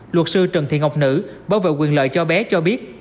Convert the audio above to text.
luật sư trần thị ngọc nữ bảo vệ quyền lợi cho bé cho biết